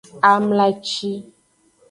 Amlaci.